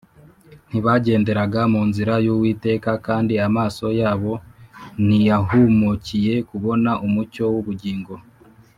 ntibagenderaga mu nzira z’Uwiteka, kandi amaso yabo ntiyahumukiye kubona Umucyo w’ubugingo